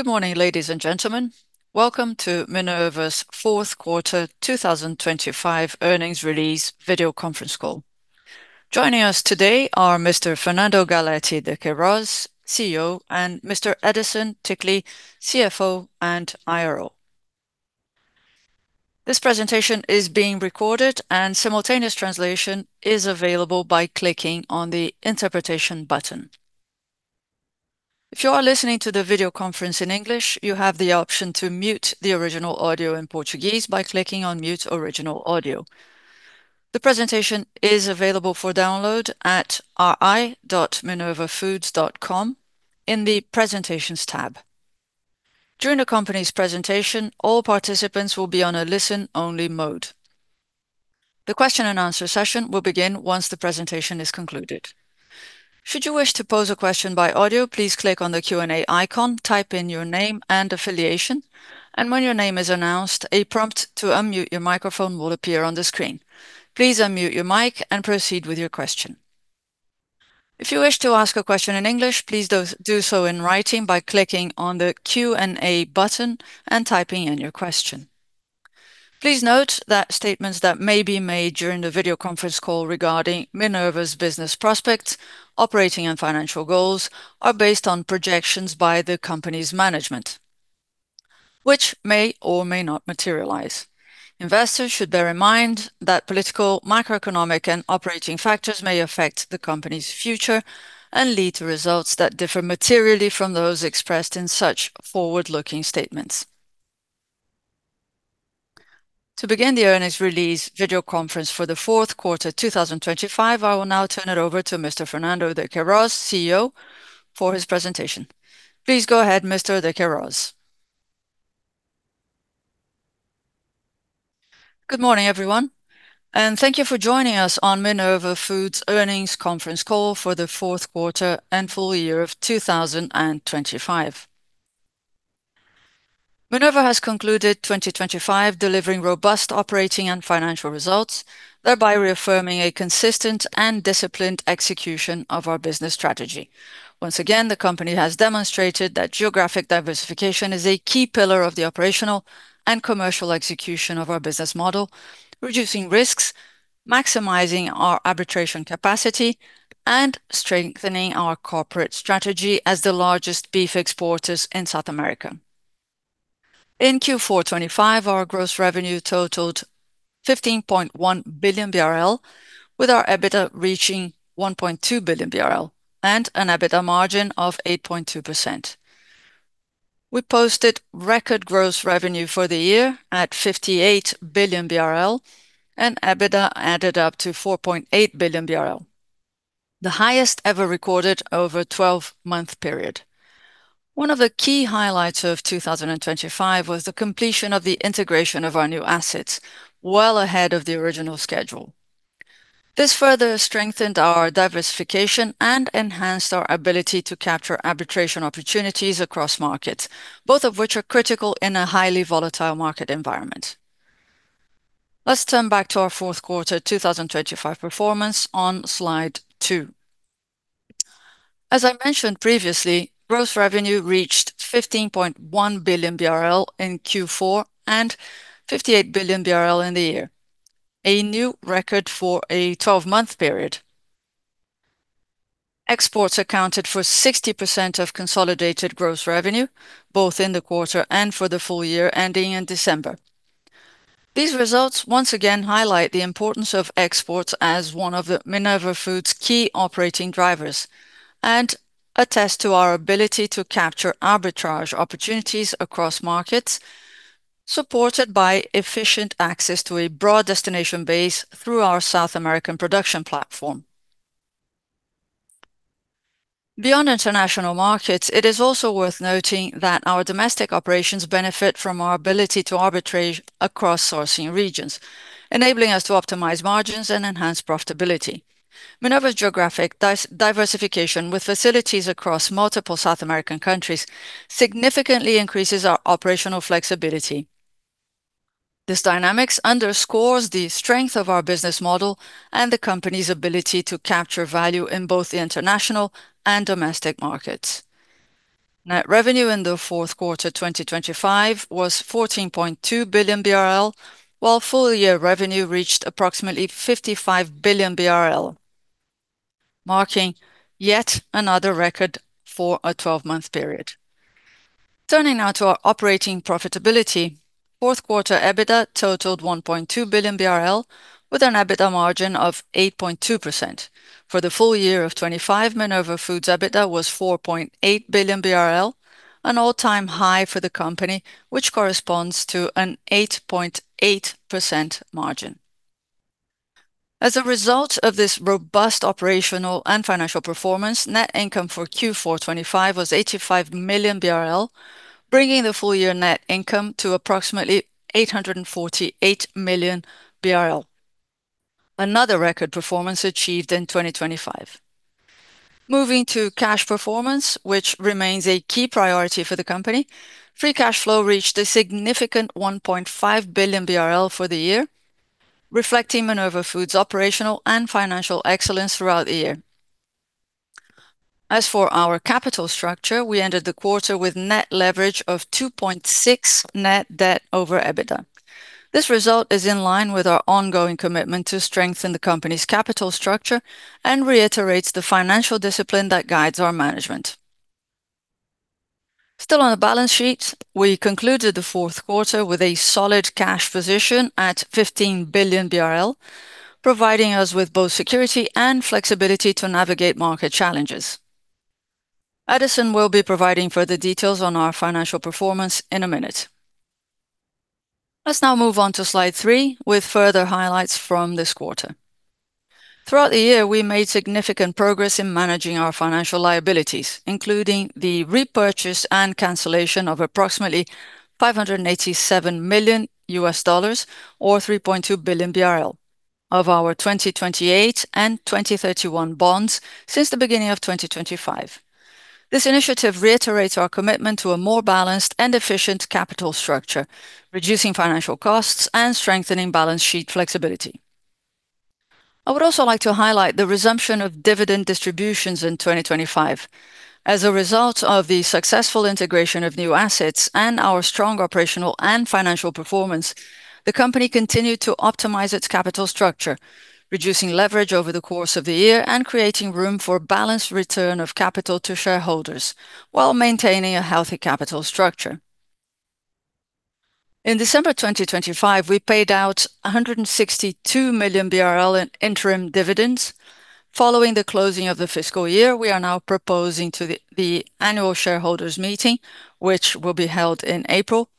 Good morning, ladies and gentlemen. Welcome to Minerva's Fourth Quarter 2025 Earnings Release Video Conference Call. Joining us today are Mr. Fernando Galletti de Queiroz, CEO, and Mr. Edison Ticle, CFO and IRO. This presentation is being recorded and simultaneous translation is available by clicking on the interpretation button. If you are listening to the video conference in English, you have the option to mute the original audio in Portuguese by clicking on mute original audio. The presentation is available for download at ri.minervafoods.com in the Presentations tab. During the company's presentation, all participants will be on a listen-only mode. The question-and-answer session will begin once the presentation is concluded. Should you wish to pose a question by audio, please click on the Q&A icon, type in your name and affiliation, and when your name is announced, a prompt to unmute your microphone will appear on the screen. Please unmute your mic and proceed with your question. If you wish to ask a question in English, please do so in writing by clicking on the Q&A button and typing in your question. Please note that statements that may be made during the video conference call regarding Minerva's business prospects, operating and financial goals, are based on projections by the company's management, which may or may not materialize. Investors should bear in mind that political, macroeconomic, and operating factors may affect the company's future and lead to results that differ materially from those expressed in such forward-looking statements. To begin the earnings release video conference for the fourth quarter 2025, I will now turn it over to Mr. Fernando de Queiroz, CEO, for his presentation. Please go ahead, Mr. de Queiroz. Good morning, everyone, and thank you for joining us on Minerva Foods Earnings Conference Call For The Fourth Quarter and Full Year of 2025. Minerva has concluded 2025 delivering robust operating and financial results, thereby reaffirming a consistent and disciplined execution of our business strategy. Once again, the company has demonstrated that geographic diversification is a key pillar of the operational and commercial execution of our business model, reducing risks, maximizing our arbitrage capacity, and strengthening our corporate strategy as the largest beef exporters in South America. In Q4 2025, our gross revenue totaled 15.1 billion BRL, with our EBITDA reaching 1.2 billion BRL and an EBITDA margin of 8.2%. We posted record gross revenue for the year at 58 billion BRL and EBITDA added up to 4.8 billion BRL, the highest ever recorded over a 12-month period. One of the key highlights of 2025 was the completion of the integration of our new assets well ahead of the original schedule. This further strengthened our diversification and enhanced our ability to capture arbitration opportunities across markets, both of which are critical in a highly volatile market environment. Let's turn back to our fourth quarter 2025 performance on Slide two. As I mentioned previously, gross revenue reached 15.1 billion BRL in Q4 and 58 billion BRL in the year, a new record for a 12-month period. Exports accounted for 60% of consolidated gross revenue, both in the quarter and for the full year ending in December. These results once again highlight the importance of exports as one of the Minerva Foods' key operating drivers and attest to our ability to capture arbitrage opportunities across markets, supported by efficient access to a broad destination base through our South American production platform. Beyond international markets, it is also worth noting that our domestic operations benefit from our ability to arbitrate across sourcing regions, enabling us to optimize margins and enhance profitability. Minerva's geographic diversification with facilities across multiple South American countries significantly increases our operational flexibility. These dynamics underscores the strength of our business model and the company's ability to capture value in both the international and domestic markets. Net revenue in the fourth quarter, 2025 was 14.2 billion BRL, while full-year revenue reached approximately 55 billion BRL, marking yet another record for a 12-month period. Turning now to our operating profitability. Fourth quarter EBITDA totaled 1.2 billion BRL, with an EBITDA margin of 8.2%. For the full year of 2025, Minerva Foods' EBITDA was 4.8 billion BRL, an all-time high for the company, which corresponds to an 8.8% margin. As a result of this robust operational and financial performance, net income for Q4 2025 was 85 million BRL, bringing the full-year net income to approximately 848 million BRL. Another record performance achieved in 2025. Moving to cash performance, which remains a key priority for the company. Free cash flow reached a significant 1.5 billion BRL for the year. Reflecting Minerva Foods' operational and financial excellence throughout the year. As for our capital structure, we ended the quarter with net leverage of 2.6x net debt over EBITDA. This result is in line with our ongoing commitment to strengthen the company's capital structure and reiterates the financial discipline that guides our management. Still on the balance sheet, we concluded the fourth quarter with a solid cash position at 15 billion BRL, providing us with both security and flexibility to navigate market challenges. Edison will be providing further details on our financial performance in a minute. Let's now move on to Slide three with further highlights from this quarter. Throughout the year, we made significant progress in managing our financial liabilities, including the repurchase and cancellation of approximately $587 million, or 3.2 billion BRL of our 2028 and 2031 bonds since the beginning of 2025. This initiative reiterates our commitment to a more balanced and efficient capital structure, reducing financial costs and strengthening balance sheet flexibility. I would also like to highlight the resumption of dividend distributions in 2025. As a result of the successful integration of new assets and our strong operational and financial performance, the company continued to optimize its capital structure, reducing leverage over the course of the year and creating room for balanced return of capital to shareholders while maintaining a healthy capital structure. In December 2025, we paid out 162 million BRL in interim dividends. Following the closing of the fiscal year, we are now proposing to the annual shareholders meeting, which will be held in April,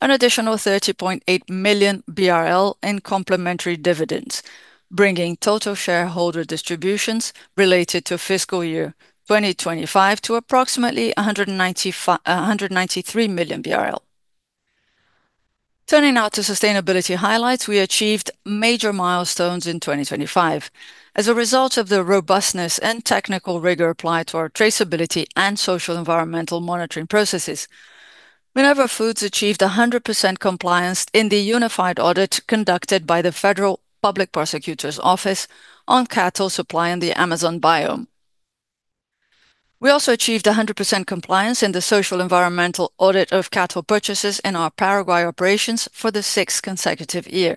an additional 30.8 million BRL in complementary dividends, bringing total shareholder distributions related to fiscal year 2025 to approximately 193 million BRL. Turning now to sustainability highlights, we achieved major milestones in 2025. As a result of the robustness and technical rigor applied to our traceability and social environmental monitoring processes, Minerva Foods achieved 100% compliance in the unified audit conducted by the Federal Public Prosecutor's Office on cattle supply in the Amazon biome. We also achieved 100% compliance in the social environmental audit of cattle purchases in our Paraguay operations for the sixth consecutive year.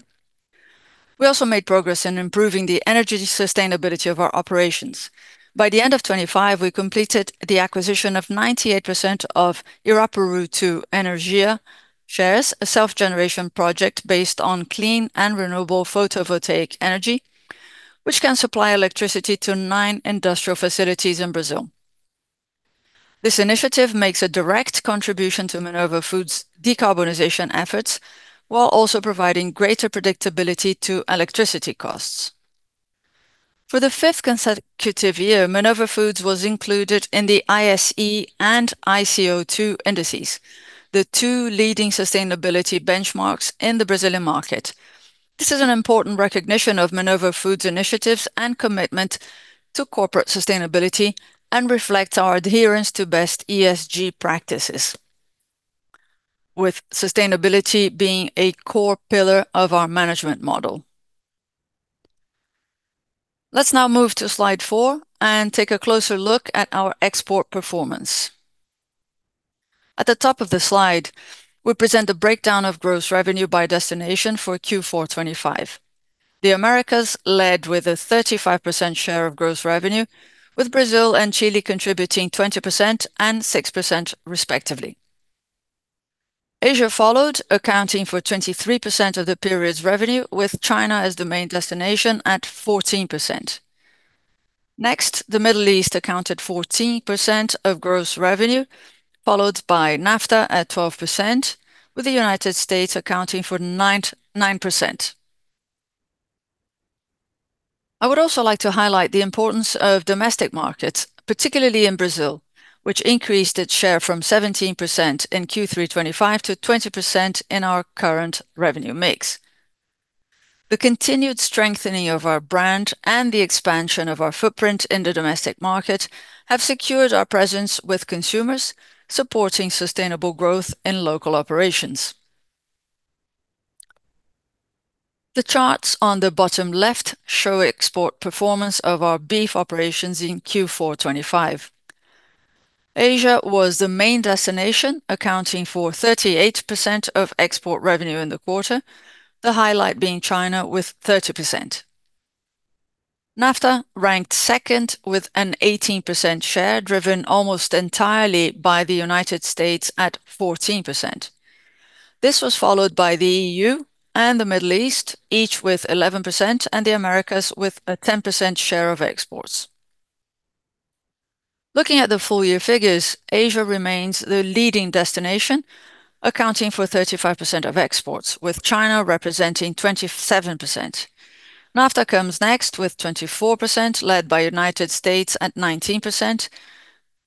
We also made progress in improving the energy sustainability of our operations. By the end of 2025, we completed the acquisition of 98% of Irapuru II Energia shares, a self-generation project based on clean and renewable photovoltaic energy, which can supply electricity to nine industrial facilities in Brazil. This initiative makes a direct contribution to Minerva Foods' decarbonization efforts, while also providing greater predictability to electricity costs. For the fifth consecutive year, Minerva Foods was included in the ISE and ICO2 indices, the two leading sustainability benchmarks in the Brazilian market. This is an important recognition of Minerva Foods' initiatives and commitment to corporate sustainability and reflects our adherence to best ESG practices, with sustainability being a core pillar of our management model. Let's now move to Slide four and take a closer look at our export performance. At the top of the slide, we present the breakdown of gross revenue by destination for Q4 2025. The Americas led with a 35% share of gross revenue, with Brazil and Chile contributing 20% and 6% respectively. Asia followed, accounting for 23% of the period's revenue, with China as the main destination at 14%. Next, the Middle East accounted for 14% of gross revenue, followed by NAFTA at 12%, with the United States accounting for 99%. I would also like to highlight the importance of domestic markets, particularly in Brazil, which increased its share from 17% in Q3 2025 to 20% in our current revenue mix. The continued strengthening of our brand and the expansion of our footprint in the domestic market have secured our presence with consumers supporting sustainable growth in local operations. The charts on the bottom left show export performance of our beef operations in Q4 2025. Asia was the main destination, accounting for 38% of export revenue in the quarter, the highlight being China with 30%. NAFTA ranked second with an 18% share, driven almost entirely by the United States at 14%. This was followed by the EU and the Middle East, each with 11%, and the Americas with a 10% share of exports. Looking at the full-year figures, Asia remains the leading destination, accounting for 35% of exports, with China representing 27%. NAFTA comes next with 24%, led by United States at 19%.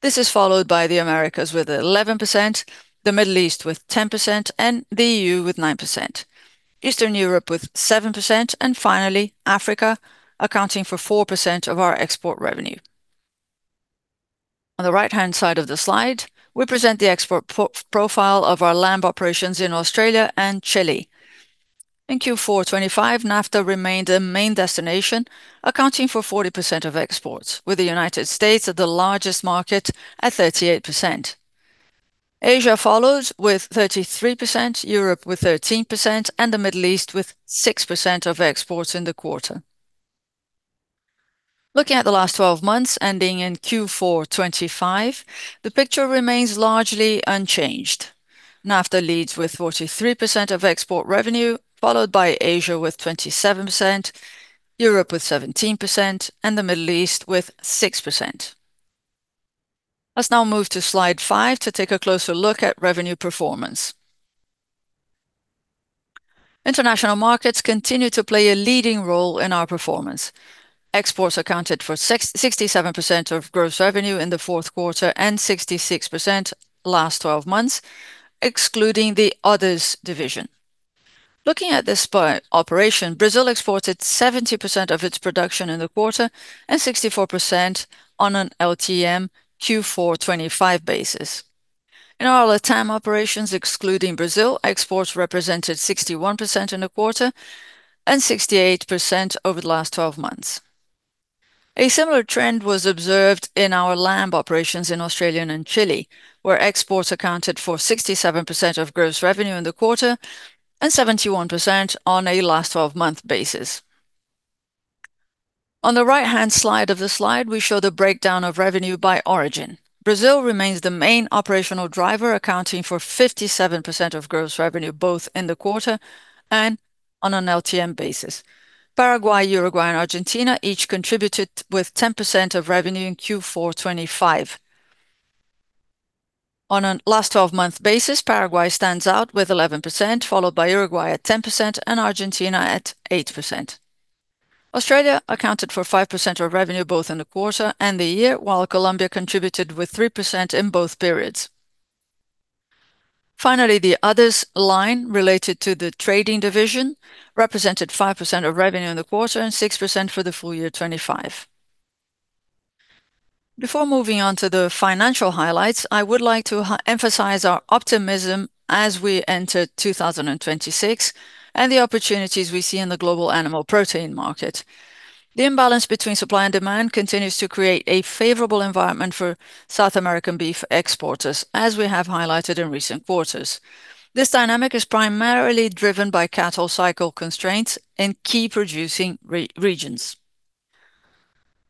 This is followed by the Americas with 11%, the Middle East with 10%, and the EU with 9%, Eastern Europe with 7%, and finally, Africa accounting for 4% of our export revenue. On the right-hand side of the slide, we present the export profile of our lamb operations in Australia and Chile. In Q4 2025, NAFTA remained the main destination, accounting for 40% of exports, with the United States at the largest market at 38%. Asia follows with 33%, Europe with 13%, and the Middle East with 6% of exports in the quarter. Looking at the last 12 months ending in Q4 2025, the picture remains largely unchanged. NAFTA leads with 43% of export revenue, followed by Asia with 27%, Europe with 17%, and the Middle East with 6%. Let's now move to Slide five to take a closer look at revenue performance. International markets continue to play a leading role in our performance. Exports accounted for 67% of gross revenue in the fourth quarter and 66% last 12 months, excluding the others division. Looking at this by operation, Brazil exported 70% of its production in the quarter and 64% on an LTM Q4 2025 basis. In all other time operations excluding Brazil, exports represented 61% in the quarter and 68% over the last 12 months. A similar trend was observed in our lamb operations in Australia and Chile, where exports accounted for 67% of gross revenue in the quarter and 71% on a last-12-month basis. On the right-hand side of the slide, we show the breakdown of revenue by origin. Brazil remains the main operational driver, accounting for 57% of gross revenue, both in the quarter and on an LTM basis. Paraguay, Uruguay, and Argentina each contributed with 10% of revenue in Q4 2025. On a last-12-month basis, Paraguay stands out with 11%, followed by Uruguay at 10% and Argentina at 8%. Australia accounted for 5% of revenue both in the quarter and the year, while Colombia contributed with 3% in both periods. Finally, the others line related to the trading division represented 5% of revenue in the quarter and 6% for the full year 2025. Before moving on to the financial highlights, I would like to emphasize our optimism as we enter 2026 and the opportunities we see in the global animal protein market. The imbalance between supply and demand continues to create a favorable environment for South American beef exporters, as we have highlighted in recent quarters. This dynamic is primarily driven by cattle cycle constraints in key producing regions.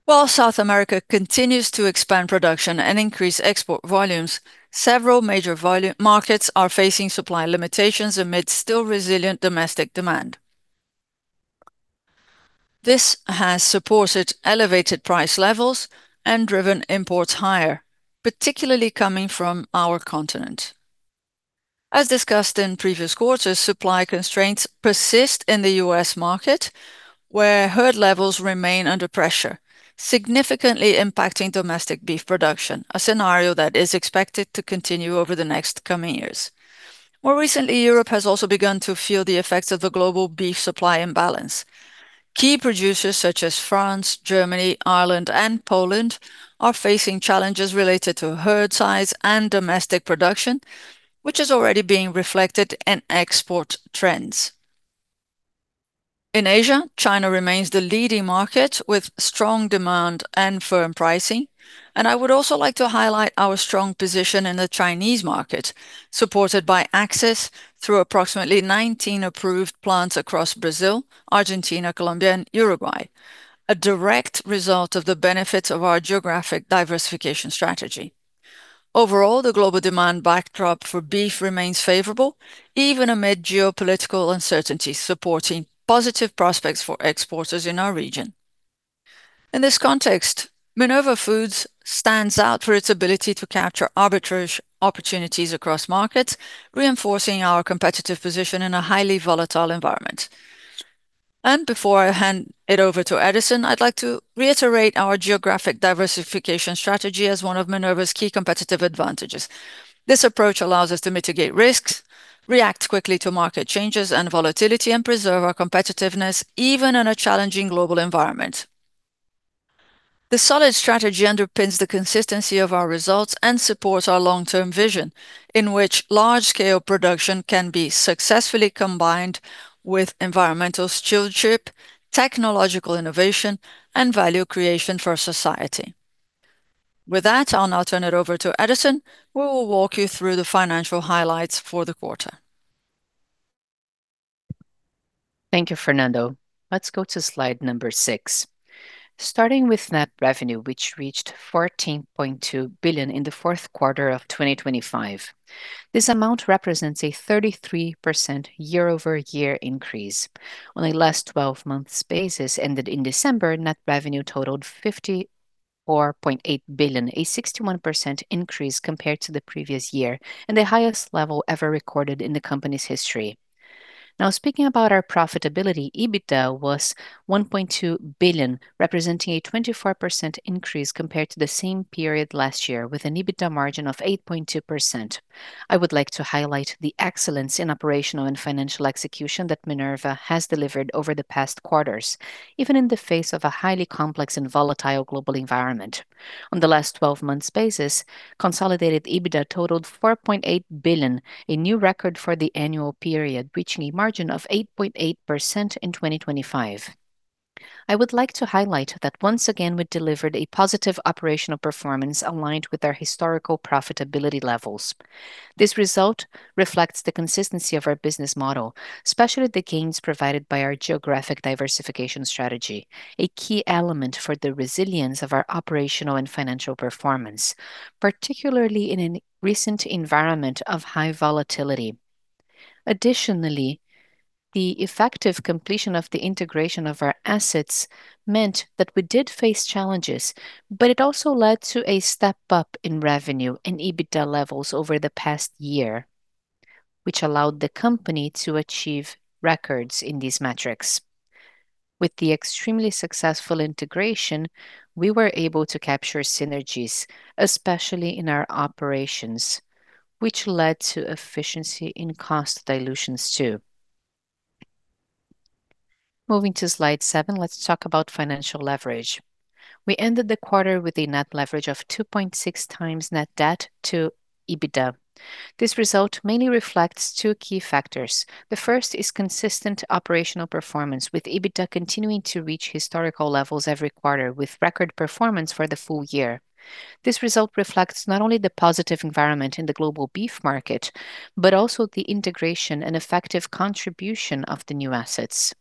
While South America continues to expand production and increase export volumes, several major volume markets are facing supply limitations amid still resilient domestic demand. This has supported elevated price levels and driven imports higher, particularly coming from our continent. As discussed in previous quarters, supply constraints persist in the U.S. market, where herd levels remain under pressure, significantly impacting domestic beef production, a scenario that is expected to continue over the next coming years. More recently, Europe has also begun to feel the effects of the global beef supply imbalance. Key producers such as France, Germany, Ireland, and Poland are facing challenges related to herd size and domestic production, which is already being reflected in export trends. In Asia, China remains the leading market with strong demand and firm pricing. I would also like to highlight our strong position in the Chinese market, supported by access through approximately 19 approved plants across Brazil, Argentina, Colombia, and Uruguay, a direct result of the benefits of our geographic diversification strategy. Overall, the global demand backdrop for beef remains favorable, even amid geopolitical uncertainties, supporting positive prospects for exporters in our region. In this context, Minerva Foods stands out for its ability to capture arbitrage opportunities across markets, reinforcing our competitive position in a highly volatile environment. Before I hand it over to Edison, I'd like to reiterate our geographic diversification strategy as one of Minerva's key competitive advantages. This approach allows us to mitigate risks, react quickly to market changes and volatility, and preserve our competitiveness even in a challenging global environment. This solid strategy underpins the consistency of our results and supports our long-term vision, in which large-scale production can be successfully combined with environmental stewardship, technological innovation, and value creation for society. With that, I'll now turn it over to Edison, who will walk you through the financial highlights for the quarter. Thank you, Fernando. Let's go to Slide six. Starting with net revenue, which reached 14.2 billion in the fourth quarter of 2025. This amount represents a 33% year-over-year increase. On a last-12-month basis ended in December, net revenue totaled 54.8 billion, a 61% increase compared to the previous year and the highest level ever recorded in the company's history. Now, speaking about our profitability, EBITDA was 1.2 billion, representing a 24% increase compared to the same period last year with an EBITDA margin of 8.2%. I would like to highlight the excellence in operational and financial execution that Minerva has delivered over the past quarters, even in the face of a highly complex and volatile global environment. On the last-12-month basis, consolidated EBITDA totaled 4.8 billion, a new record for the annual period, reaching a margin of 8.8% in 2025. I would like to highlight that once again, we delivered a positive operational performance aligned with our historical profitability levels. This result reflects the consistency of our business model, especially the gains provided by our geographic diversification strategy, a key element for the resilience of our operational and financial performance, particularly in a recent environment of high volatility. Additionally, the effective completion of the integration of our assets meant that we did face challenges, but it also led to a step up in revenue and EBITDA levels over the past year, which allowed the company to achieve records in these metrics. With the extremely successful integration, we were able to capture synergies, especially in our operations, which led to efficiency in cost dilutions too. Moving to Slide seven, let's talk about financial leverage. We ended the quarter with a net leverage of 2.6x net debt to EBITDA. This result mainly reflects two key factors. The first is consistent operational performance, with EBITDA continuing to reach historical levels every quarter with record performance for the full year. This result reflects not only the positive environment in the global beef market, but also the integration and effective contribution of the new assets.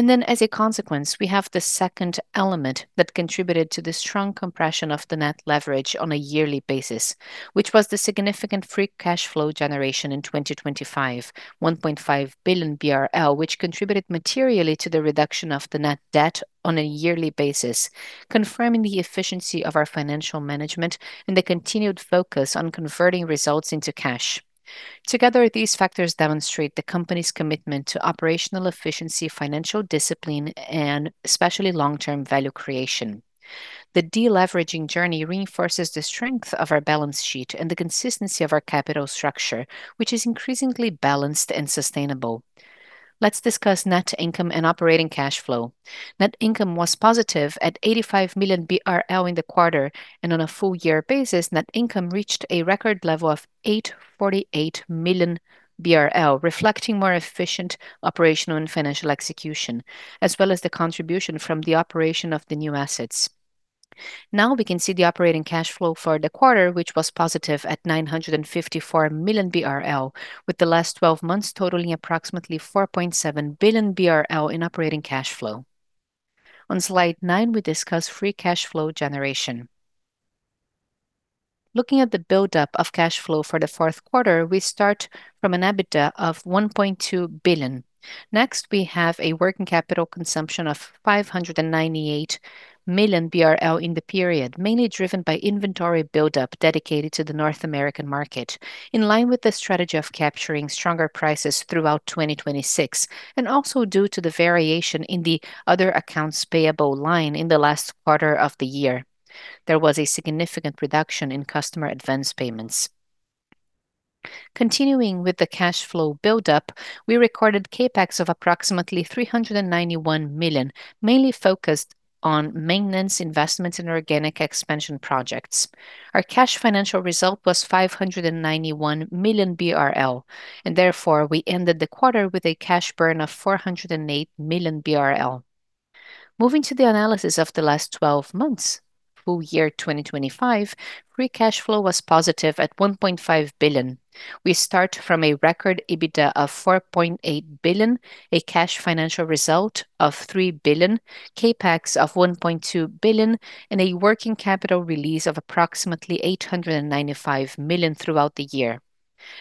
As a consequence, we have the second element that contributed to the strong compression of the net leverage on a yearly basis, which was the significant free cash flow generation in 2025, 1.5 billion BRL, which contributed materially to the reduction of the net debt on a yearly basis, confirming the efficiency of our financial management and the continued focus on converting results into cash. Together, these factors demonstrate the company's commitment to operational efficiency, financial discipline, and especially long-term value creation. The deleveraging journey reinforces the strength of our balance sheet and the consistency of our capital structure, which is increasingly balanced and sustainable. Let's discuss net income and operating cash flow. Net income was positive at 85 million BRL in the quarter, and on a full-year basis, net income reached a record level of 848 million BRL, reflecting more efficient operational and financial execution, as well as the contribution from the operation of the new assets. Now we can see the operating cash flow for the quarter, which was positive at 954 million BRL, with the last 12 months totaling approximately 4.7 billion BRL in operating cash flow. On Slide nine, we discuss free cash flow generation. Looking at the buildup of cash flow for the fourth quarter, we start from an EBITDA of 1.2 billion. Next, we have a working capital consumption of 598 million BRL in the period, mainly driven by inventory buildup dedicated to the North American market, in line with the strategy of capturing stronger prices throughout 2026, and also due to the variation in the other accounts payable line in the last quarter of the year. There was a significant reduction in customer advance payments. Continuing with the cash flow buildup, we recorded CapEx of approximately 391 million, mainly focused on maintenance, investments and organic expansion projects. Our cash financial result was 591 million BRL, and therefore we ended the quarter with a cash burn of 408 million BRL. Moving to the analysis of the last 12 months, full year 2025, free cash flow was positive at 1.5 billion. We start from a record EBITDA of 4.8 billion, a cash financial result of 3 billion, CapEx of 1.2 billion, and a working capital release of approximately 895 million throughout the year.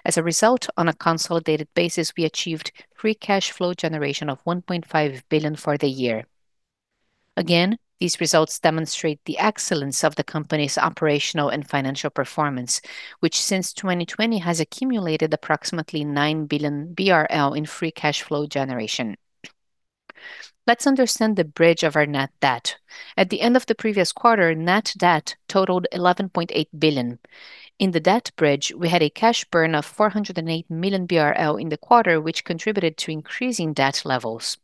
As a result, on a consolidated basis, we achieved free cash flow generation of 1.5 billion for the year. These results demonstrate the excellence of the company's operational and financial performance, which since 2020 has accumulated approximately 9 billion BRL in free cash flow generation. Let's understand the bridge of our net debt. At the end of the previous quarter, net debt totaled 11.8 billion. In the debt bridge, we had a cash burn of 408 million BRL in the quarter, which contributed to increasing debt levels.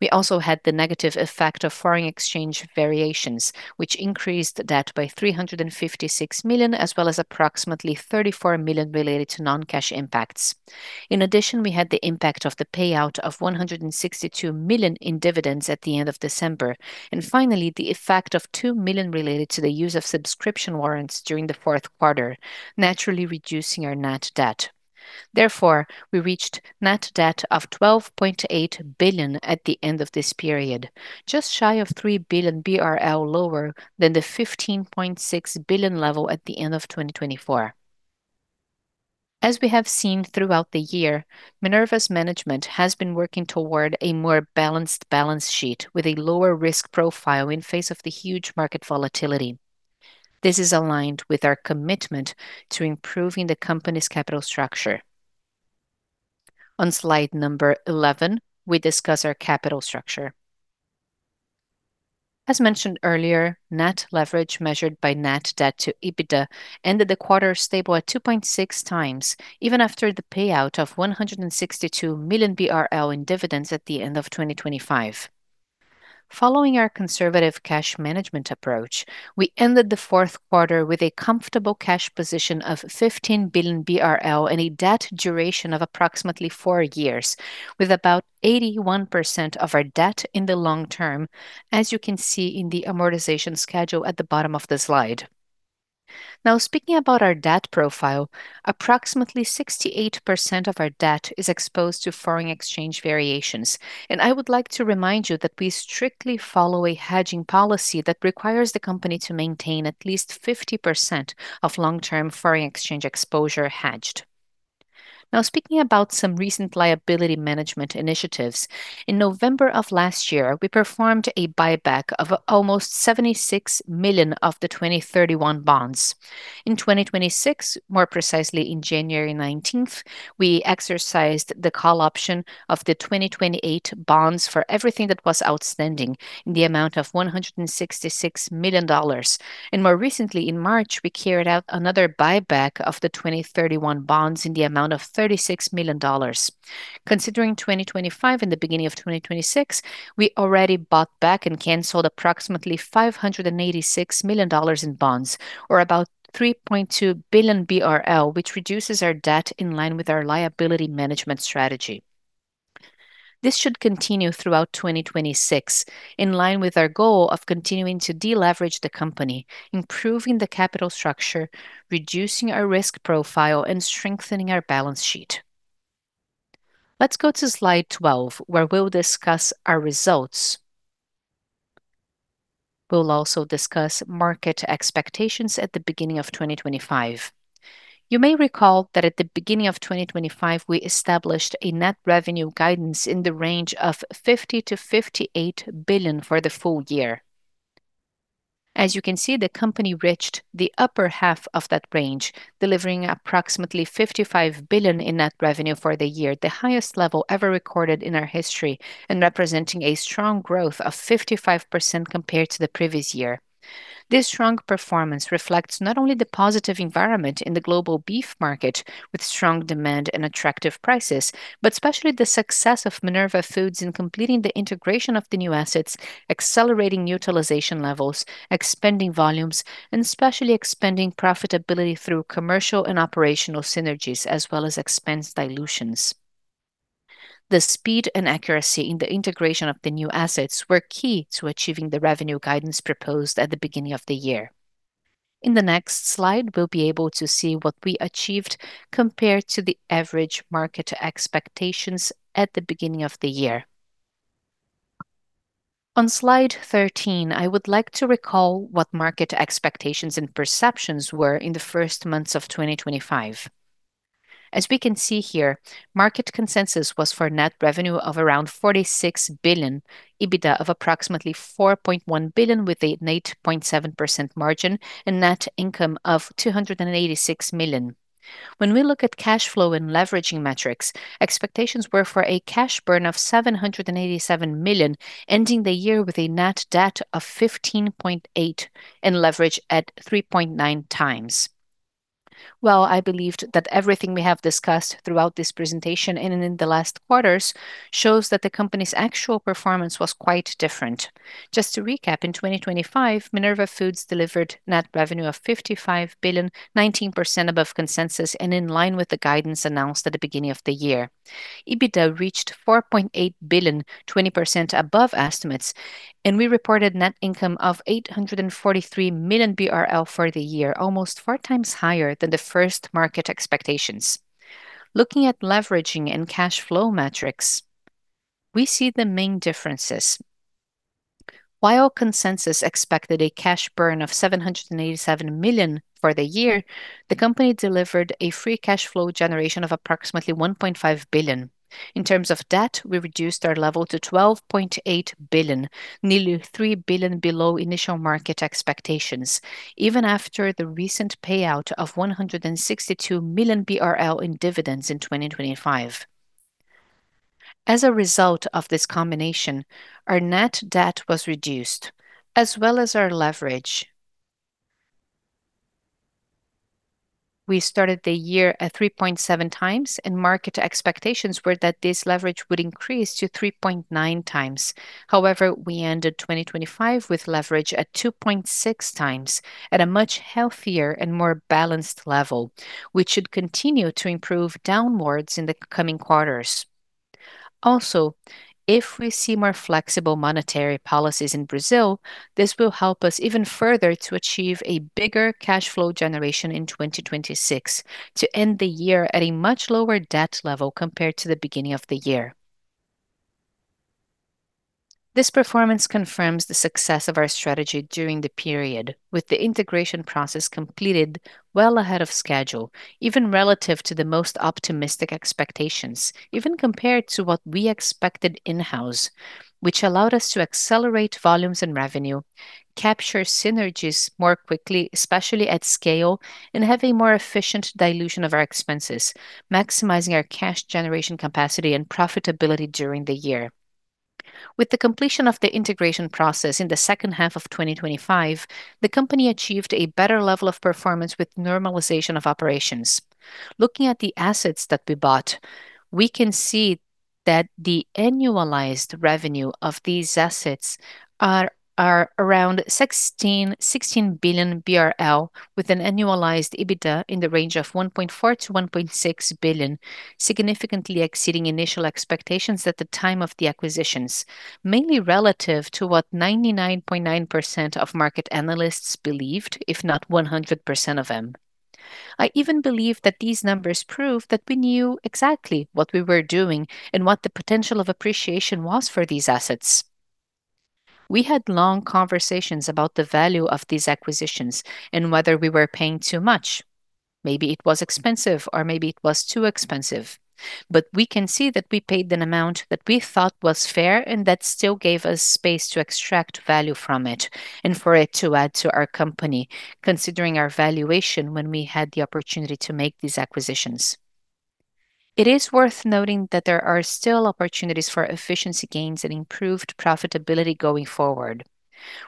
We also had the negative effect of foreign exchange variations, which increased debt by 356 million, as well as approximately 34 million related to non-cash impacts. In addition, we had the impact of the payout of 162 million in dividends at the end of December. Finally, the effect of 2 million related to the use of subscription warrants during the fourth quarter, naturally reducing our net debt. Therefore, we reached net debt of 12.8 billion at the end of this period, just shy of 3 billion BRL lower than the 15.6 billion level at the end of 2024. As we have seen throughout the year, Minerva's management has been working toward a more balanced balance sheet with a lower risk profile in face of the huge market volatility. This is aligned with our commitment to improving the company's capital structure. On Slide number 11, we discuss our capital structure. As mentioned earlier, net leverage measured by net debt to EBITDA ended the quarter stable at 2.6x, even after the payout of 162 million BRL in dividends at the end of 2025. Following our conservative cash management approach, we ended the fourth quarter with a comfortable cash position of 15 billion BRL and a debt duration of approximately four years, with about 81% of our debt in the long term, as you can see in the amortization schedule at the bottom of the slide. Now, speaking about our debt profile, approximately 68% of our debt is exposed to foreign exchange variations. I would like to remind you that we strictly follow a hedging policy that requires the company to maintain at least 50% of long-term foreign exchange exposure hedged. Now, speaking about some recent liability management initiatives, in November of last year, we performed a buyback of almost $76 million of the 2031 bonds. In 2026, more precisely in January 19th, we exercised the call option of the 2028 bonds for everything that was outstanding in the amount of $166 million. More recently, in March, we carried out another buyback of the 2031 bonds in the amount of $36 million. Considering 2025 and the beginning of 2026, we already bought back and canceled approximately $586 million in bonds or about 3.2 billion BRL, which reduces our debt in line with our liability management strategy. This should continue throughout 2026, in line with our goal of continuing to deleverage the company, improving the capital structure, reducing our risk profile, and strengthening our balance sheet. Let's go to Slide 12, where we'll discuss our results. We'll also discuss market expectations at the beginning of 2025. You may recall that at the beginning of 2025, we established a net revenue guidance in the range of 50 billion-58 billion for the full year. As you can see, the company reached the upper half of that range, delivering approximately 55 billion in net revenue for the year, the highest level ever recorded in our history and representing a strong growth of 55% compared to the previous year. This strong performance reflects not only the positive environment in the global beef market with strong demand and attractive prices, but especially the success of Minerva Foods in completing the integration of the new assets, accelerating utilization levels, expanding volumes, and especially expanding profitability through commercial and operational synergies as well as expense dilutions. The speed and accuracy in the integration of the new assets were key to achieving the revenue guidance proposed at the beginning of the year. In the next slide, we'll be able to see what we achieved compared to the average market expectations at the beginning of the year. On Slide 13, I would like to recall what market expectations and perceptions were in the first months of 2025. As we can see here, market consensus was for net revenue of around 46 billion, EBITDA of approximately 4.1 billion with an 8.7% margin, and net income of 286 million. When we look at cash flow and leveraging metrics, expectations were for a cash burn of 787 million, ending the year with a net debt of 15.8 billion and leverage at 3.9x. Well, I believed that everything we have discussed throughout this presentation and in the last quarters shows that the company's actual performance was quite different. Just to recap, in 2025, Minerva Foods delivered net revenue of 55 billion, 19% above consensus and in line with the guidance announced at the beginning of the year. EBITDA reached 4.8 billion, 20% above estimates, and we reported net income of 843 million BRL for the year, almost four times higher than the first market expectations. Looking at leveraging and cash flow metrics, we see the main differences. While consensus expected a cash burn of 787 million for the year, the company delivered a free cash flow generation of approximately 1.5 billion. In terms of debt, we reduced our level to 12.8 billion, nearly 3 billion below initial market expectations, even after the recent payout of 162 million BRL in 2025. As a result of this combination, our net debt was reduced, as well as our leverage. We started the year at 3.7x, and market expectations were that this leverage would increase to 3.9x. However, we ended 2025 with leverage at 2.6x at a much healthier and more balanced level, which should continue to improve downwards in the coming quarters. Also, if we see more flexible monetary policies in Brazil, this will help us even further to achieve a bigger cash flow generation in 2026 to end the year at a much lower debt level compared to the beginning of the year. This performance confirms the success of our strategy during the period, with the integration process completed well ahead of schedule, even relative to the most optimistic expectations, even compared to what we expected in-house, which allowed us to accelerate volumes and revenue, capture synergies more quickly, especially at scale, and have a more efficient dilution of our expenses, maximizing our cash generation capacity and profitability during the year. With the completion of the integration process in the second half of 2025, the company achieved a better level of performance with normalization of operations. Looking at the assets that we bought, we can see that the annualized revenue of these assets are around 16 billion BRL, with an annualized EBITDA in the range of 1.4 billion-1.6 billion, significantly exceeding initial expectations at the time of the acquisitions, mainly relative to what 99.9% of market analysts believed, if not 100% of them. I even believe that these numbers prove that we knew exactly what we were doing and what the potential of appreciation was for these assets. We had long conversations about the value of these acquisitions and whether we were paying too much. Maybe it was expensive or maybe it was too expensive. We can see that we paid an amount that we thought was fair and that still gave us space to extract value from it and for it to add to our company, considering our valuation when we had the opportunity to make these acquisitions. It is worth noting that there are still opportunities for efficiency gains and improved profitability going forward.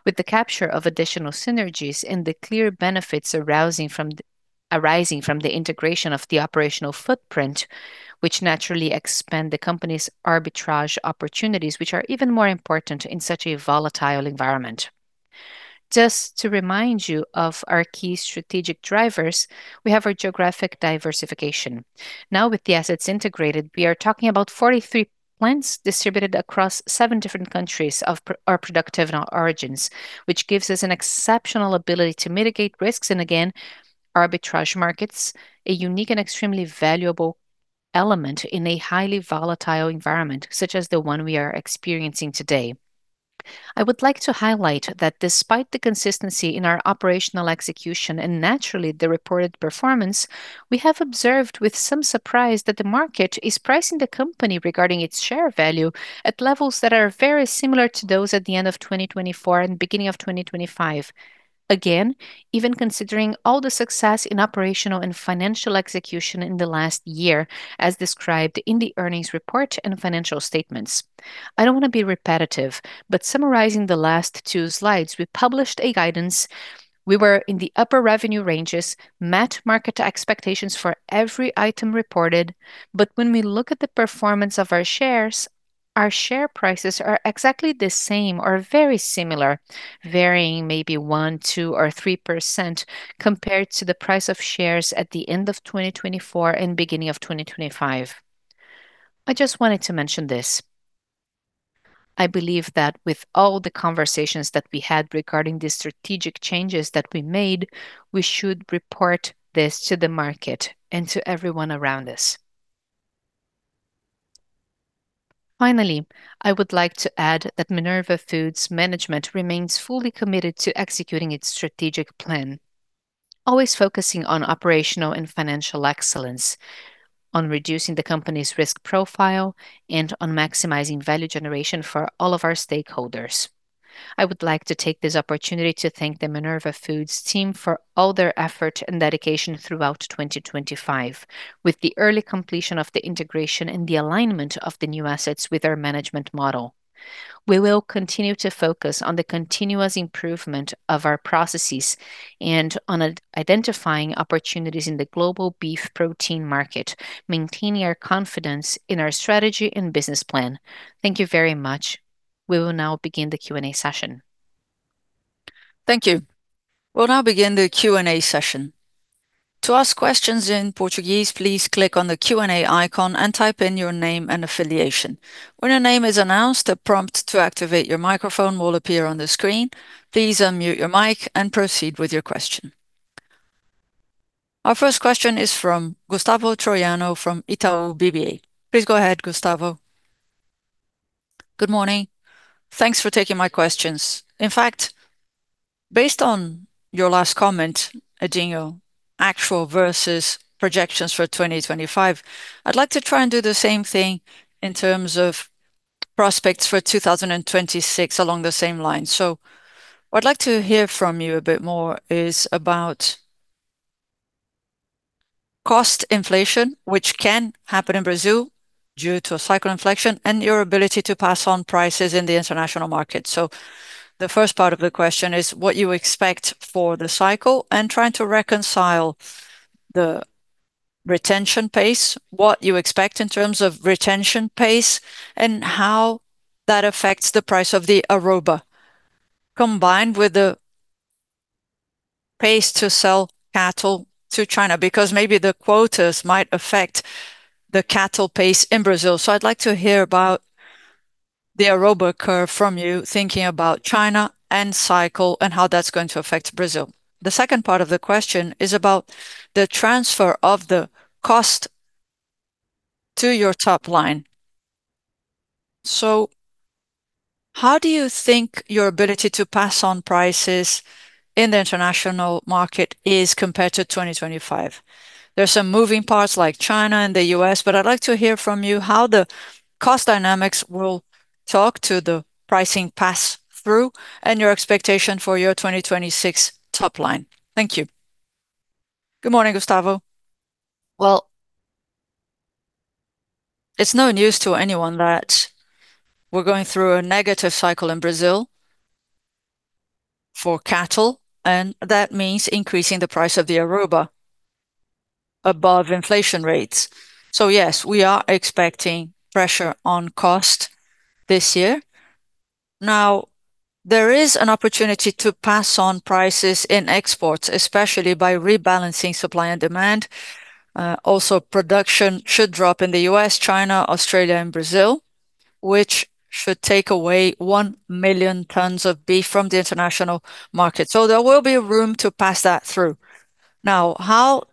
With the capture of additional synergies and the clear benefits arising from the integration of the operational footprint, which naturally expand the company's arbitrage opportunities, which are even more important in such a volatile environment. Just to remind you of our key strategic drivers, we have our geographic diversification. Now with the assets integrated, we are talking about 43 plants distributed across seven different countries of our productive origins, which gives us an exceptional ability to mitigate risks and again arbitrage markets, a unique and extremely valuable element in a highly volatile environment, such as the one we are experiencing today. I would like to highlight that despite the consistency in our operational execution and naturally the reported performance, we have observed with some surprise that the market is pricing the company regarding its share value at levels that are very similar to those at the end of 2024 and beginning of 2025. Again, even considering all the success in operational and financial execution in the last year as described in the earnings report and financial statements. I don't want to be repetitive, but summarizing the last two slides, we published a guidance. We were in the upper revenue ranges, met market expectations for every item reported. When we look at the performance of our shares, our share prices are exactly the same or very similar, varying maybe 1%, 2%, or 3% compared to the price of shares at the end of 2024 and beginning of 2025. I just wanted to mention this. I believe that with all the conversations that we had regarding the strategic changes that we made, we should report this to the market and to everyone around us. Finally, I would like to add that Minerva Foods management remains fully committed to executing its strategic plan, always focusing on operational and financial excellence, on reducing the company's risk profile, and on maximizing value generation for all of our stakeholders. I would like to take this opportunity to thank the Minerva Foods team for all their effort and dedication throughout 2025, with the early completion of the integration and the alignment of the new assets with our management model. We will continue to focus on the continuous improvement of our processes and on identifying opportunities in the global beef protein market, maintaining our confidence in our strategy and business plan. Thank you very much. We will now begin the Q&A session. Thank you. We'll now begin the Q&A session. To ask questions in Portuguese, please click on the Q&A icon and type in your name and affiliation. When your name is announced, a prompt to activate your microphone will appear on the screen. Please unmute your mic and proceed with your question. Our first question is from Gustavo Troyano from Itaú BBA. Please go ahead, Gustavo. Good morning. Thanks for taking my questions. In fact, based on your last comment, Edinho, actual versus projections for 2025, I'd like to try and do the same thing in terms of prospects for 2026 along the same lines. What I'd like to hear from you a bit more is about cost inflation, which can happen in Brazil due to a cycle inflection, and your ability to pass on prices in the international market. The first part of the question is what you expect for the cycle and trying to reconcile the retention pace, what you expect in terms of retention pace, and how that affects the price of the arroba, combined with the pace to sell cattle to China, because maybe the quotas might affect the cattle pace in Brazil. I'd like to hear about the arroba curve from you, thinking about China and cycle and how that's going to affect Brazil. The second part of the question is about the transfer of the cost to your top line. How do you think your ability to pass on prices in the international market is compared to 2025? There are some moving parts like China and the U.S., but I'd like to hear from you how the cost dynamics will talk to the pricing pass-through and your expectation for your 2026 top line. Thank you. Good morning, Gustavo. Well, it's no news to anyone that we're going through a negative cycle in Brazil. For cattle, and that means increasing the price of the arroba above inflation rates. Yes, we are expecting pressure on cost this year. Now, there is an opportunity to pass on prices in exports, especially by rebalancing supply and demand. Also production should drop in the U.S., China, Australia, and Brazil, which should take away 1 million tons of beef from the international market. There will be room to pass that through. Now, how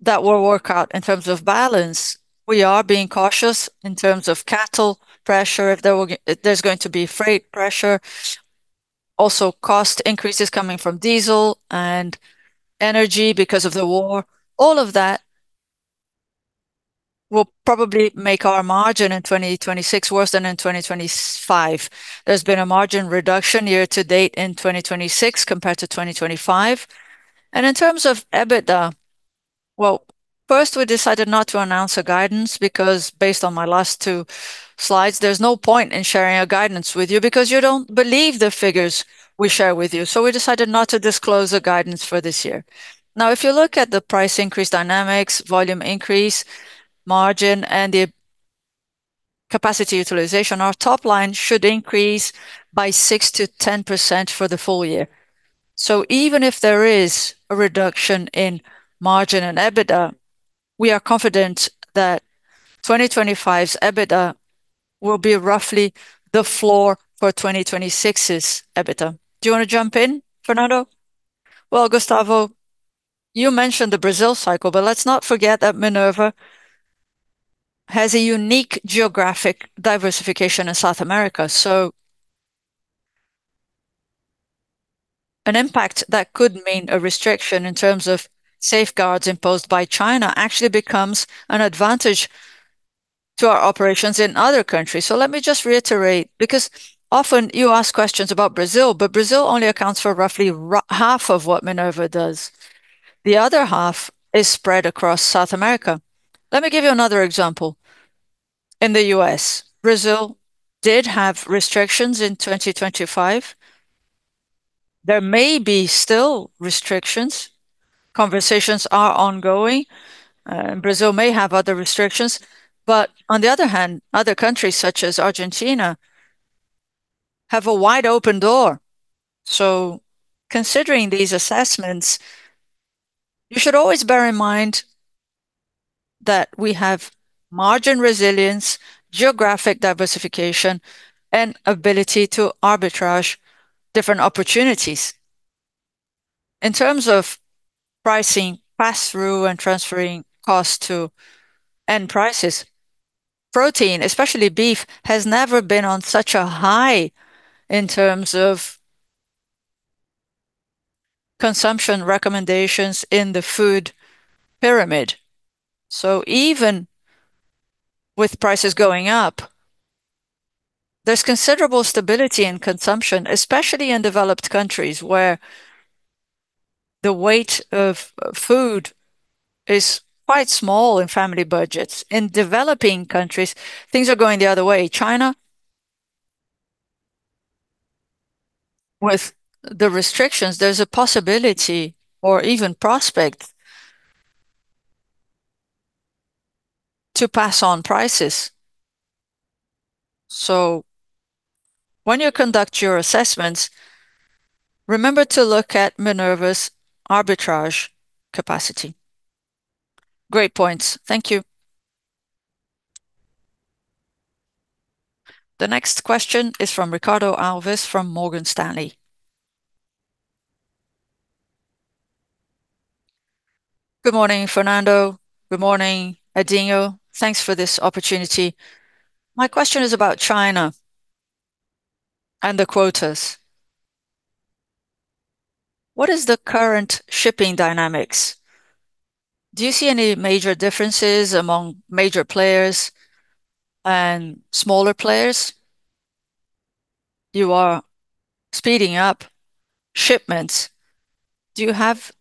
that will work out in terms of balance, we are being cautious in terms of cattle pressure. There's going to be freight pressure, also cost increases coming from diesel and energy because of the war. All of that will probably make our margin in 2026 worse than in 2025. There's been a margin reduction year to date in 2026 compared to 2025. In terms of EBITDA, well, first, we decided not to announce a guidance, because based on my last two slides, there's no point in sharing a guidance with you because you don't believe the figures we share with you. We decided not to disclose a guidance for this year. Now, if you look at the price increase dynamics, volume increase, margin, and the capacity utilization, our top line should increase by 6%-10% for the full year. Even if there is a reduction in margin and EBITDA, we are confident that 2025's EBITDA will be roughly the floor for 2026's EBITDA. Do you want to jump in, Fernando? Well, Gustavo, you mentioned the Brazil cycle, but let's not forget that Minerva has a unique geographic diversification in South America. An impact that could mean a restriction in terms of safeguards imposed by China actually becomes an advantage to our operations in other countries. Let me just reiterate, because often you ask questions about Brazil, but Brazil only accounts for roughly half of what Minerva does. The other half is spread across South America. Let me give you another example. In the U.S., Brazil did have restrictions in 2025. There may still be restrictions. Conversations are ongoing. Brazil may have other restrictions. On the other hand, other countries such as Argentina have a wide-open door. Considering these assessments, you should always bear in mind that we have margin resilience, geographic diversification, and ability to arbitrage different opportunities. In terms of pricing pass-through and transferring costs to end prices, protein, especially beef, has never been on such a high in terms of consumption recommendations in the food pyramid. Even with prices going up, there's considerable stability in consumption, especially in developed countries, where the weight of food is quite small in family budgets. In developing countries, things are going the other way. China, with the restrictions, there's a possibility or even prospect to pass on prices. When you conduct your assessments, remember to look at Minerva's arbitrage capacity. Great points. Thank you. The next question is from Ricardo Alves from Morgan Stanley. Good morning, Fernando. Good morning, Edinho. Thanks for this opportunity. My question is about China and the quotas. What is the current shipping dynamics? Do you see any major differences among major players and smaller players? You are speeding up shipments. Do you have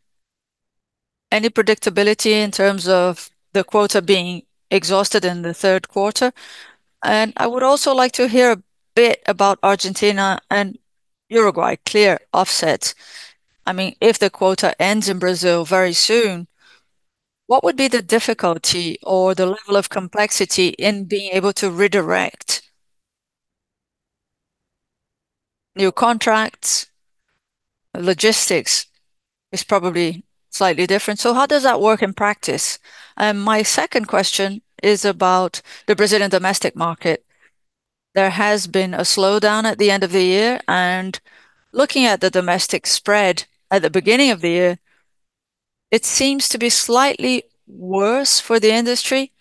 any predictability in terms of the quota being exhausted in the third quarter? I would also like to hear a bit about Argentina and Uruguay quota offset. I mean, if the quota ends in Brazil very soon, what would be the difficulty or the level of complexity in being able to redirect new contracts? Logistics is probably slightly different. How does that work in practice? My second question is about the Brazilian domestic market. There has been a slowdown at the end of the year, and looking at the domestic spread at the beginning of the year, it seems to be slightly worse for the industry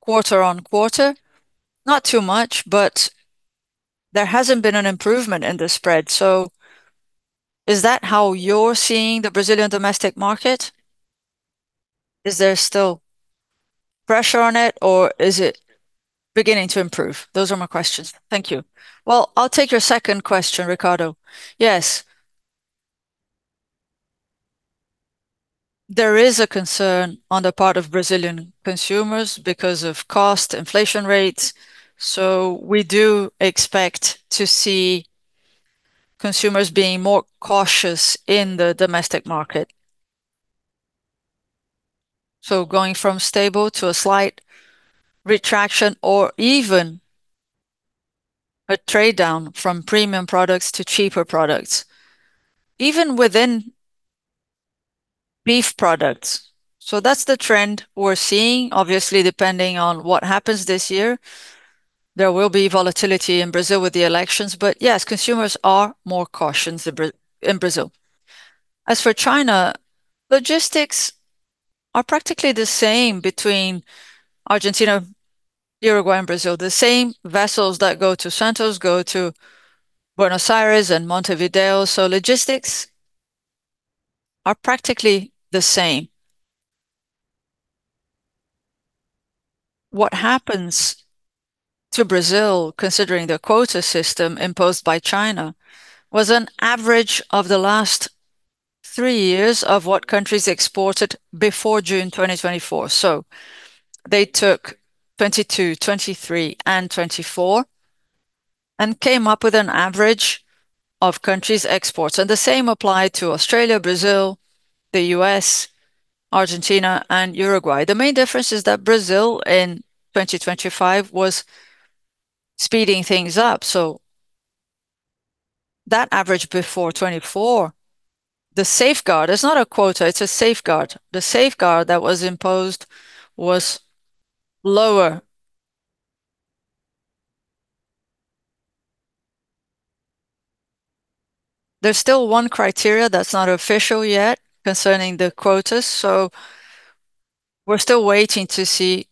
quarter-on-quarter. Not too much, but there hasn't been an improvement in the spread. Is that how you're seeing the Brazilian domestic market? Is there still pressure on it or is it beginning to improve? Those are my questions. Thank you. Well, I'll take your second question, Ricardo. Yes. There is a concern on the part of Brazilian consumers because of cost inflation rates. We do expect to see consumers being more cautious in the domestic market. Going from stable to a slight retraction or even a trade-down from premium products to cheaper products, even within beef products. That's the trend we're seeing. Obviously, depending on what happens this year, there will be volatility in Brazil with the elections. Yes, consumers are more cautious in Brazil. As for China, logistics are practically the same between Argentina, Uruguay, and Brazil. The same vessels that go to Santos go to Buenos Aires and Montevideo, so logistics are practically the same. What happens to Brazil, considering the quota system imposed by China, was an average of the last three years of what countries exported before June 2024. They took 2022, 2023, and 2024 and came up with an average of countries exports. The same applied to Australia, Brazil, the U.S., Argentina, and Uruguay. The main difference is that Brazil in 2025 was speeding things up, so that average before 2024, the safeguard, it's not a quota, it's a safeguard. The safeguard that was imposed was lower. There's still one criteria that's not official yet concerning the quotas, so we're still waiting to see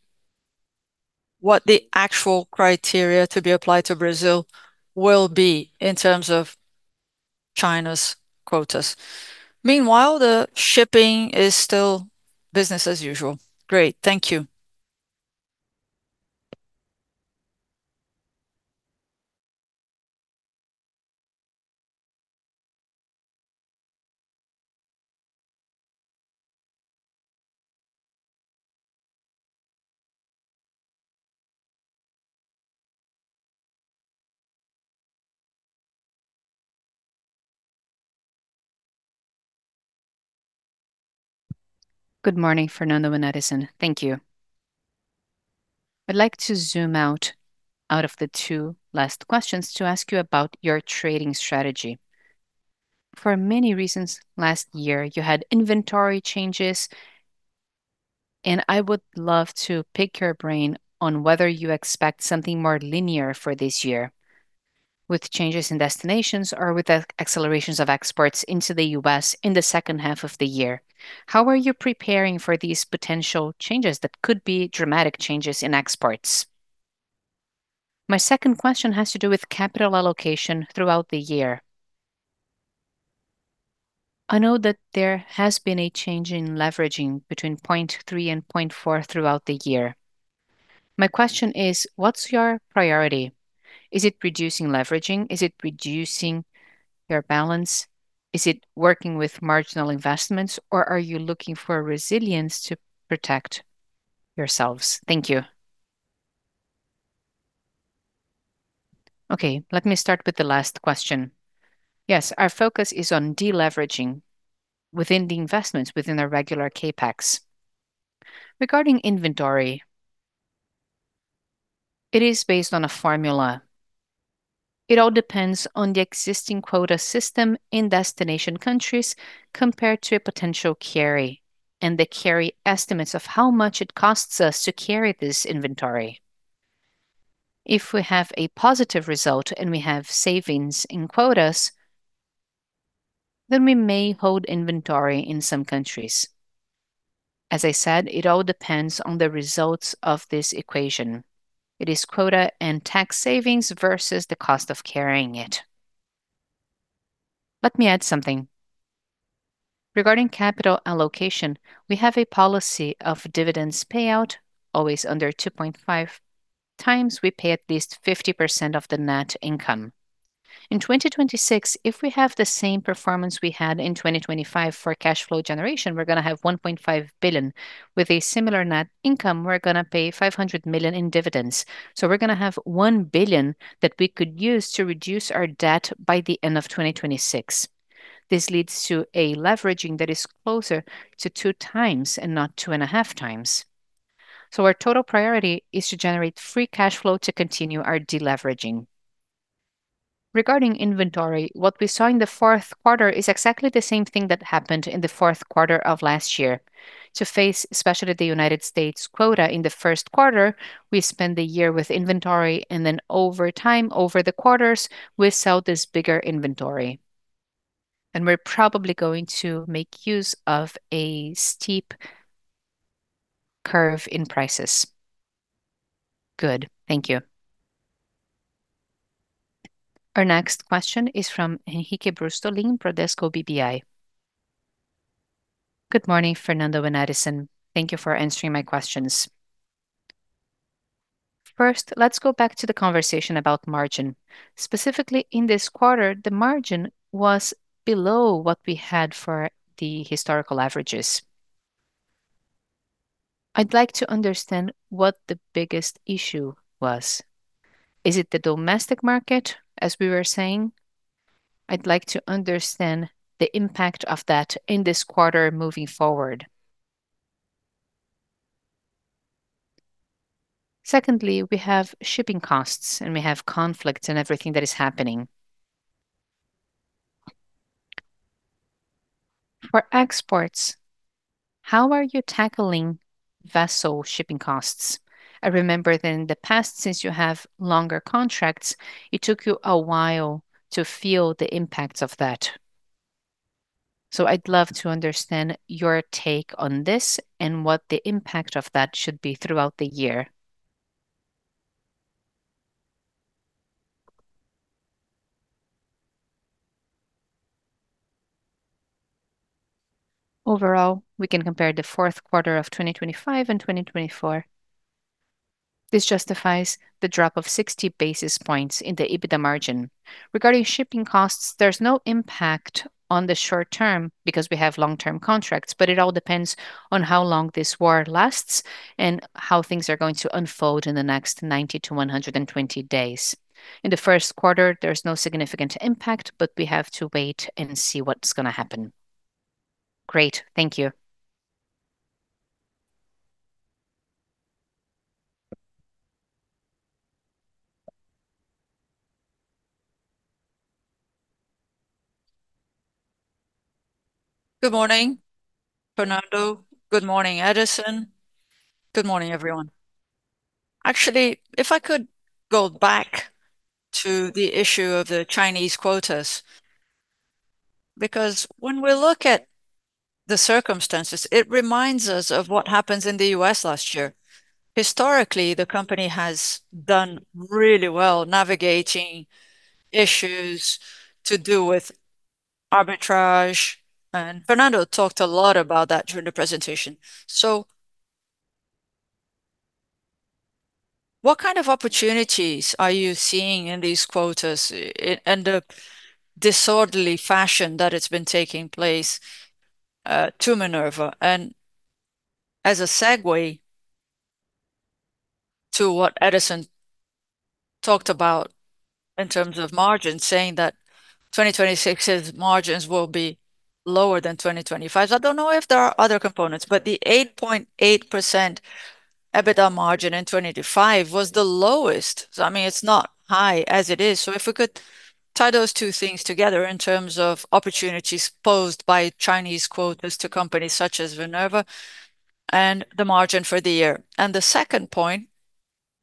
what the actual criteria to be applied to Brazil will be in terms of China's quotas. Meanwhile, the shipping is still business as usual. Great. Thank you. Good morning, Fernando and Edison. Thank you. I'd like to zoom out of the two last questions to ask you about your trading strategy. For many reasons last year, you had inventory changes, and I would love to pick your brain on whether you expect something more linear for this year with changes in destinations or with accelerations of exports into the U.S. in the second half of the year. How are you preparing for these potential changes that could be dramatic changes in exports? My second question has to do with capital allocation throughout the year. I know that there has been a change in leveraging between 0.3x and 0.4x throughout the year. My question is: What's your priority? Is it reducing leveraging? Is it reducing your balance? Is it working with marginal investments, or are you looking for resilience to protect yourselves? Thank you. Okay, let me start with the last question. Yes, our focus is on deleveraging within the investments within the regular CapEx. Regarding inventory, it is based on a formula. It all depends on the existing quota system in destination countries compared to a potential carry, and they carry estimates of how much it costs us to carry this inventory. If we have a positive result and we have savings in quotas, then we may hold inventory in some countries. As I said, it all depends on the results of this equation. It is quota and tax savings versus the cost of carrying it. Let me add something. Regarding capital allocation, we have a policy of dividends payout always under 2.5 times we pay at least 50% of the net income. In 2026, if we have the same performance we had in 2025 for cash flow generation, we're gonna have 1.5 billion. With a similar net income, we're gonna pay 500 million in dividends. We're gonna have 1 billion that we could use to reduce our debt by the end of 2026. This leads to a leveraging that is closer to 2x and not 2.5x. Our total priority is to generate free cash flow to continue our deleveraging. Regarding inventory, what we saw in the fourth quarter is exactly the same thing that happened in the fourth quarter of last year. To face, especially the United States quota in the first quarter, we spent the year with inventory, and then over time, over the quarters, we sell this bigger inventory. We're probably going to make use of a steep curve in prices. Good. Thank you. Our next question is from Henrique Brustolin, Bradesco BBI. Good morning, Fernando and Edison. Thank you for answering my questions. First, let's go back to the conversation about margin. Specifically in this quarter, the margin was below what we had for the historical averages. I'd like to understand what the biggest issue was. Is it the domestic market, as we were saying? I'd like to understand the impact of that in this quarter moving forward. Secondly, we have shipping costs, and we have conflicts and everything that is happening. For exports, how are you tackling vessel shipping costs? I remember that in the past, since you have longer contracts, it took you a while to feel the impact of that. I'd love to understand your take on this and what the impact of that should be throughout the year. Overall, we can compare the fourth quarter of 2025 and 2024. This justifies the drop of 60 basis points in the EBITDA margin. Regarding shipping costs, there's no impact on the short term because we have long-term contracts, but it all depends on how long this war lasts and how things are going to unfold in the next 90 to 120 days. In the first quarter, there's no significant impact, but we have to wait and see what's gonna happen. Great. Thank you. Good morning, Fernando. Good morning, Edison. Good morning, everyone. Actually, if I could go back to the issue of the Chinese quotas, because when we look at the circumstances, it reminds us of what happens in the U.S. last year. Historically, the company has done really well navigating issues to do with arbitrage, and Fernando talked a lot about that during the presentation. What kind of opportunities are you seeing in these quotas and the disorderly fashion that it's been taking place to Minerva? And as a segue to what Edison talked about in terms of margins, saying that 2026's margins will be lower than 2025's. I don't know if there are other components, but the 8.8% EBITDA margin in 2025 was the lowest. I mean, it's not high as it is. If we could tie those two things together in terms of opportunities posed by Chinese quotas to companies such as Minerva and the margin for the year. The second point,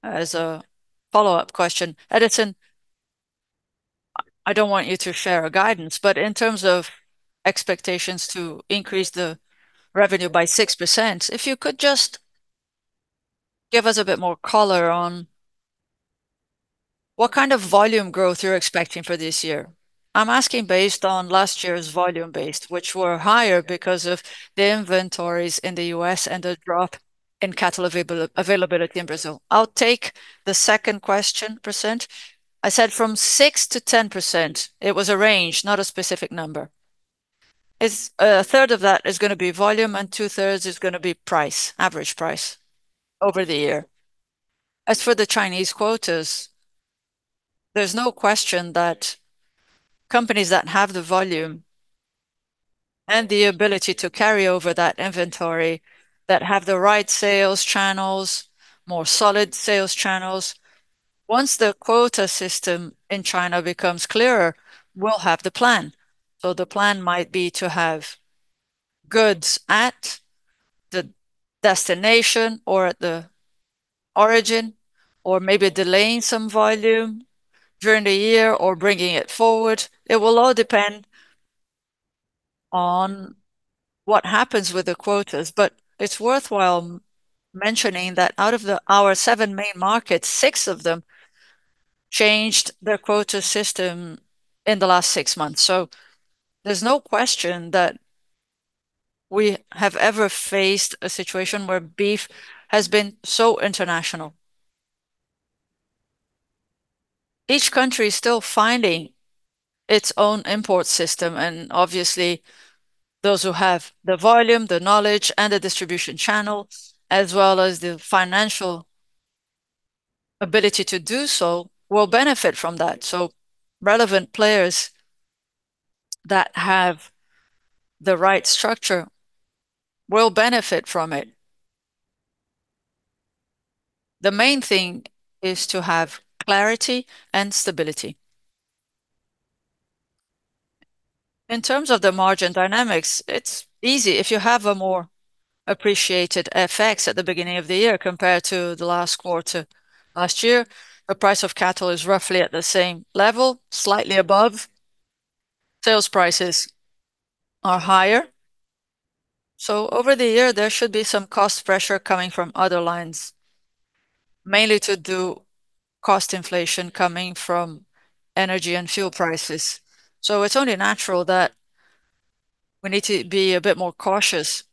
as a follow-up question, Edison, I don't want you to share a guidance, but in terms of expectations to increase the revenue by 6%, if you could just give us a bit more color on what kind of volume growth you're expecting for this year. I'm asking based on last year's volume-based, which were higher because of the inventories in the U.S. and the drop in cattle availability in Brazil. I'll take the second question percent. I said from 6%-10%. It was a range, not a specific number. It's a 1/3 of that is gonna be volume, and 2/3 is gonna be price, average price over the year. As for the Chinese quotas, there's no question that companies that have the volume and the ability to carry over that inventory, that have the right sales channels, more solid sales channels, once the quota system in China becomes clearer, we'll have the plan. The plan might be to have goods at the destination or at the origin or maybe delaying some volume during the year or bringing it forward. It will all depend on what happens with the quotas. It's worthwhile mentioning that out of our seven main markets, six of them changed their quota system in the last six months. There's no question that we've never faced a situation where beef has been so international. Each country is still finding its own import system, and obviously, those who have the volume, the knowledge, and the distribution channel, as well as the financial ability to do so, will benefit from that. Relevant players that have the right structure will benefit from it. The main thing is to have clarity and stability. In terms of the margin dynamics, it's easy. If you have a more appreciated FX at the beginning of the year compared to the last quarter last year, the price of cattle is roughly at the same level, slightly above. Sales prices are higher. Over the year, there should be some cost pressure coming from other lines, mainly due to cost inflation coming from energy and fuel prices. We need to be a bit more cautious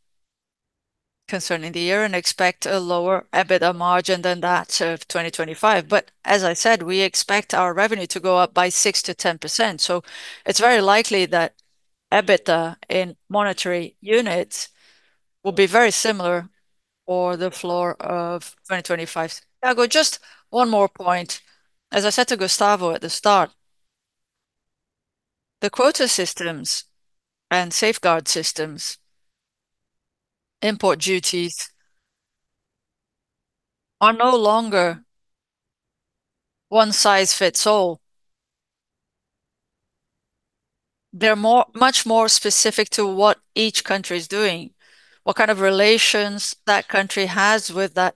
concerning the year and expect a lower EBITDA margin than that of 2025. As I said, we expect our revenue to go up by 6%-10%, so it's very likely that EBITDA in monetary units will be very similar or the floor of 2025. I've got just one more point. As I said to Gustavo at the start, the quota systems and safeguard systems, import duties are no longer one size fits all. They're more much more specific to what each country is doing, what kind of relations that country has with that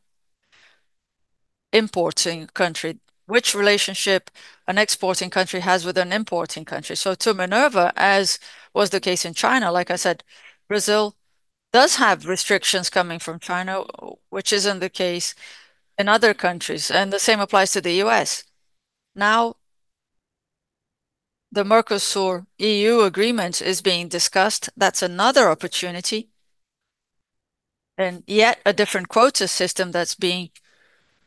importing country, which relationship an exporting country has with an importing country. To Minerva, as was the case in China, like I said, Brazil does have restrictions coming from China, which isn't the case in other countries, and the same applies to the U.S. Now, the Mercosur-EU Agreement is being discussed. That's another opportunity and yet a different quota system that's being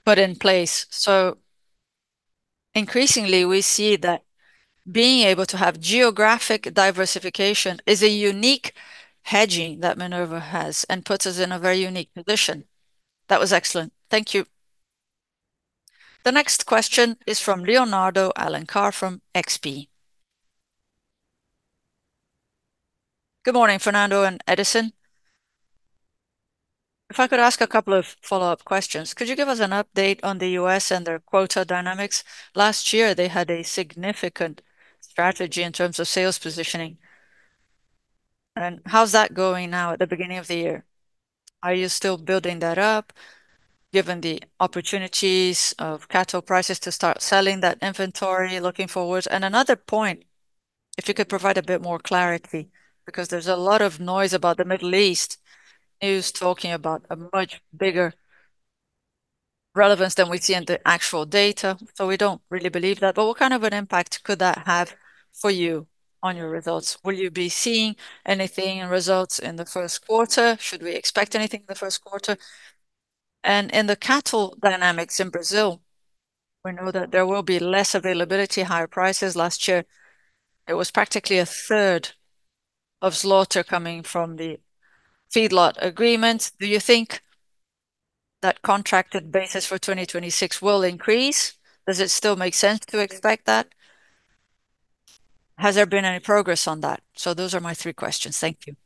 put in place. Increasingly, we see that being able to have geographic diversification is a unique hedging that Minerva has and puts us in a very unique position. That was excellent. Thank you. The next question is from Leonardo Alencar from XP. Good morning, Fernando and Edison. If I could ask a couple of follow-up questions. Could you give us an update on the U.S. and their quota dynamics? Last year they had a significant strategy in terms of sales positioning, and how's that going now at the beginning of the year? Are you still building that up, given the opportunities of cattle prices to start selling that inventory looking forward? Another point, if you could provide a bit more clarity, because there's a lot of noise about the Middle East. It was talking about a much bigger relevance than we see in the actual data. We don't really believe that, but what kind of an impact could that have for you on your results? Will you be seeing anything in results in the first quarter? Should we expect anything in the first quarter? In the cattle dynamics in Brazil, we know that there will be less availability, higher prices. Last year it was practically 1/3 of slaughter coming from the feedlot agreements. Do you think that contracted basis for 2026 will increase? Does it still make sense to expect that? Has there been any progress on that? Those are my three questions. Thank you.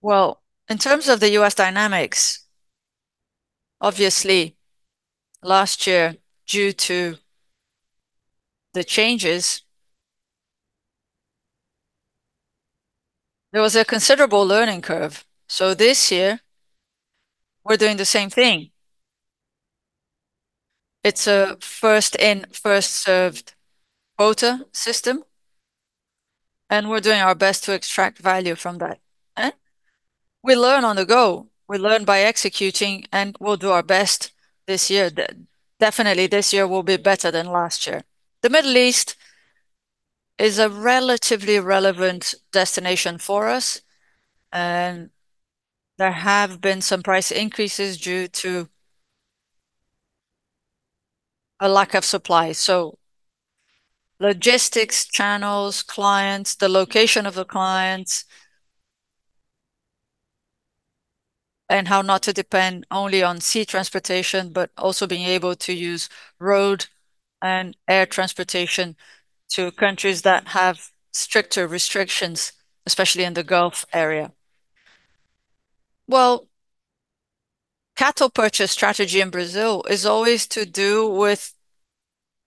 Well, in terms of the U.S. dynamics, obviously, last year, due to the changes, there was a considerable learning curve. This year we're doing the same thing. It's a first-in, first-served quota system, and we're doing our best to extract value from that. We learn on the go. We learn by executing, and we'll do our best this year. Definitely, this year will be better than last year. The Middle East is a relatively relevant destination for us, and there have been some price increases due to a lack of supply. Logistics, channels, clients, the location of the clients and how not to depend only on sea transportation, but also being able to use road and air transportation to countries that have stricter restrictions, especially in the Gulf area. Well, cattle purchase strategy in Brazil is always to do with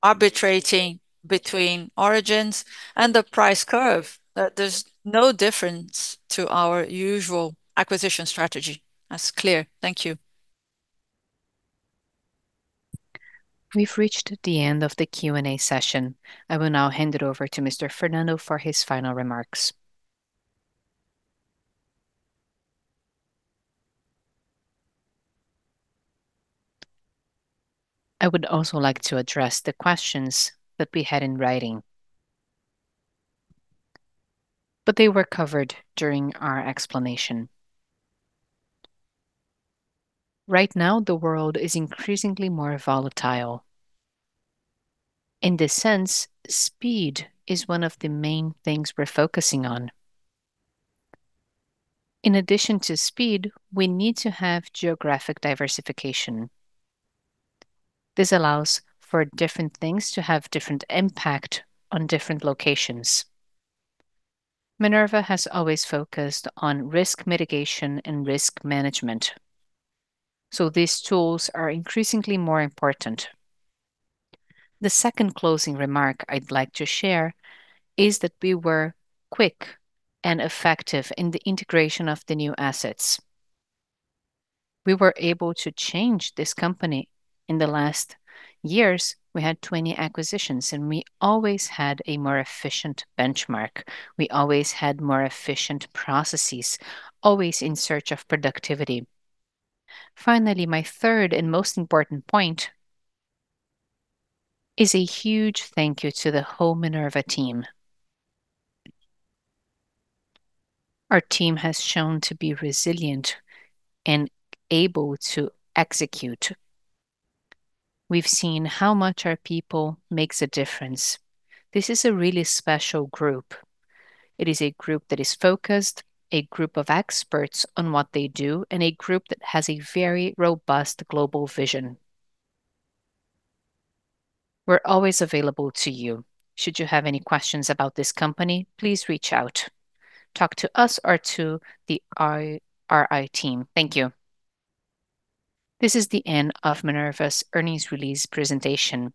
arbitrating between origins and the price curve. There's no difference to our usual acquisition strategy. That's clear. Thank you. We've reached the end of the Q&A session. I will now hand it over to Mr. Fernando for his final remarks. I would also like to address the questions that we had in writing, but they were covered during our explanation. Right now, the world is increasingly more volatile. In this sense, speed is one of the main things we're focusing on. In addition to speed, we need to have geographic diversification. This allows for different things to have different impact on different locations. Minerva has always focused on risk mitigation and risk management, so these tools are increasingly more important. The second closing remark I'd like to share is that we were quick and effective in the integration of the new assets. We were able to change this company. In the last years, we had 20 acquisitions, and we always had a more efficient benchmark. We always had more efficient processes, always in search of productivity. Finally, my third and most important point is a huge thank you to the whole Minerva team. Our team has shown to be resilient and able to execute. We've seen how much our people makes a difference. This is a really special group. It is a group that is focused, a group of experts on what they do, and a group that has a very robust global vision. We're always available to you. Should you have any questions about this company, please reach out. Talk to us or to the IR team. Thank you. This is the end of Minerva's Earnings Release Presentation.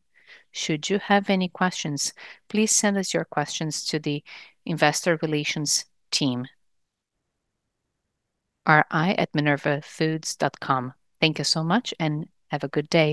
Should you have any questions, please send us your questions to the Investor Relations team, ri@minervafoods.com. Thank you so much, and have a good day.